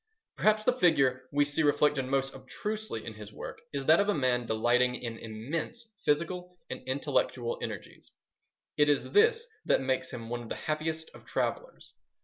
Perhaps the figure we see reflected most obtrusively in his works is that of a man delighting in immense physical and intellectual energies. It is this that makes him one of the happiest of travellers.